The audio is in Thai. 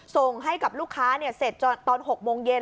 ส่งให้กับลูกค้าเสร็จตอน๖โมงเย็น